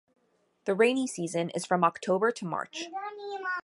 The rainy season is from October to March.